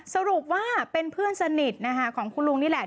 สรุปว่าเป็นเพื่อนสนิทของคุณลุงนี่แหละ